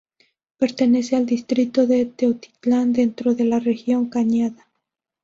Pertenece al distrito de Teotitlán, dentro de la región cañada.